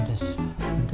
untuk atur thermion gitu